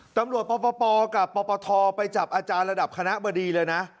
ปปกับปปทไปจับอาจารย์ระดับคณะบดีเลยนะ